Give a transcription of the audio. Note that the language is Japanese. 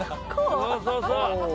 そうそうそう。